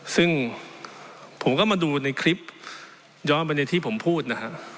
ซึ่งผมก็มาดูในคลิปย้อนไปในที่ผมพูดนะครับ